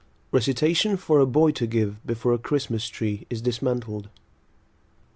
= (Recitation for a boy to give before a Christmas tree is dismantled.)